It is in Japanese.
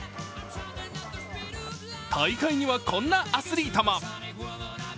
大会には、こんなアスリートも。